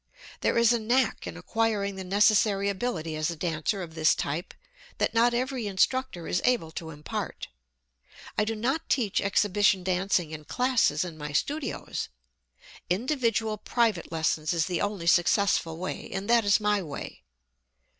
There is a knack in acquiring the necessary ability as a dancer of this type that not every instructor is able to impart. I do not teach exhibition dancing in classes in my studios. Individual private lessons is the only successful way, and that is my way.